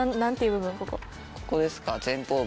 ここですか？